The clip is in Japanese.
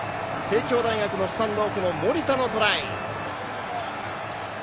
帝京大学のスタンドオフ森田のトライ。